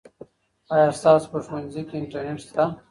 آیا ستاسو په ښوونځي کې انټرنیټ شته؟